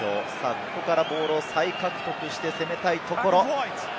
ここからボールを再獲得して攻めたいところ。